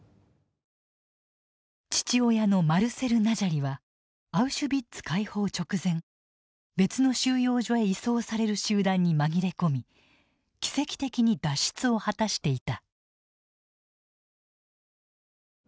父親のマルセル・ナジャリはアウシュビッツ解放直前別の収容所へ移送される集団に紛れ込み奇跡的に脱出を果たしていた。